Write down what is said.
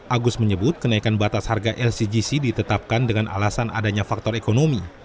agus menyebut kenaikan batas harga lcgc ditetapkan dengan alasan adanya faktor ekonomi